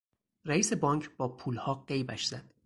رئیس بانک با پولها غیبش زد.